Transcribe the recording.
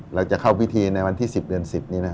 เราจะเข้าพิธีในวันที่๑๐เดือน๑๐นี้นะ